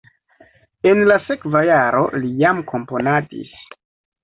En la sekva jaro li jam komponadis.